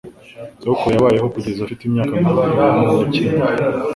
Sogokuru yabayeho kugeza afite imyaka mirongo inani n'icyenda.